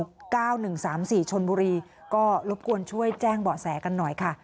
เก้าหนึ่งสามสี่ชนบุรีก็รบกวนช่วยแจ้งเบาะแสกันหน่อยค่ะ